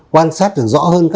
quan sát được rõ hơn